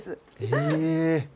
へえ。